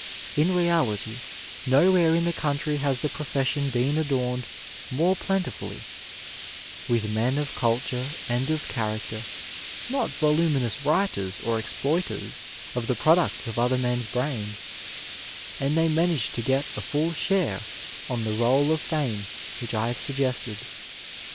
In reality, nowhere in the country has the profession been adorned more plen tifully with men of culture and of character — ^not volu minous writers or exploiters of the products of other men's brains — and they manage to get a full share on the Roll of Fame which I have suggested.